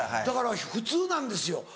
だから普通なんですよ